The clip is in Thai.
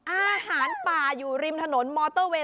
อาหารป่าอยู่ริมถนนมอเตอร์เวย